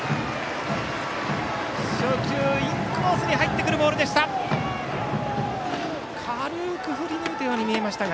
初球、インコースに入ってくるボールでした。